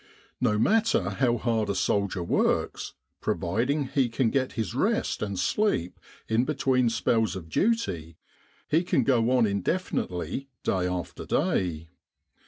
No matter how hard a soldier works, providing he can get his rest and sleep in between spells of duty, he can go on indefinitely day after day.